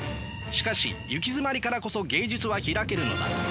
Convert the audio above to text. しかしゆきづまりからこそ芸術は開けるのだ。